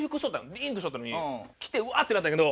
ピーンとしとったのに来てうわってなったんやけど。